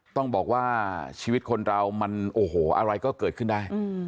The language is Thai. ต้องบอกว่าชีวิตคนเรามันโอ้โหอะไรก็เกิดขึ้นได้